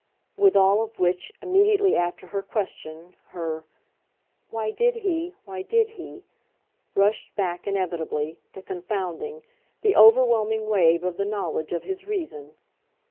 With all of which, immediately after her question, her "Why did he, why did he?" rushed back, inevitably, the confounding, the overwhelming wave of the knowledge of his reason.